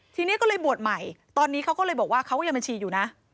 ทีนี้ก็เลยบวชใหม่ตอนนี้เขาก็เลยบอกว่าเขาก็ยังบัญชีอยู่นะ